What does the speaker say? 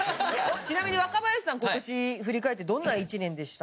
ちなみに若林さん今年振り返ってどんな１年でした？